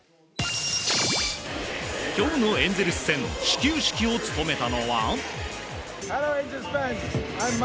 今日のエンゼルス戦始球式を務めたのは。